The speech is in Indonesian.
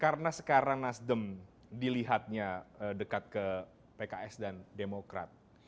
karena sekarang nasdem dilihatnya dekat ke pks dan demokrat